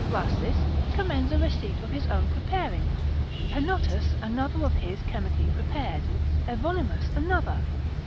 Rhasis, commends a receipt of his own preparing; Penottus another of his chemically prepared, Evonimus another.